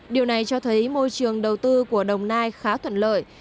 điều này cho thấy môi trường đầu tư của đồng nai khá thuận lợi